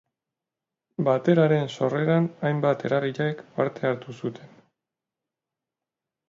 Bateraren sorreran hainbat eragilek parte hartu zuten.